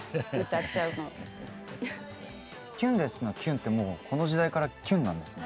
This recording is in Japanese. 「キュンです」の「キュン」ってこの時代からキュンなんですね。